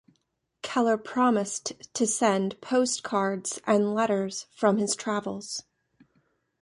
Kellar promised to send postcards and letters from his travels.